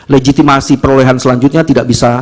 legitimasi perolehan selanjutnya tidak bisa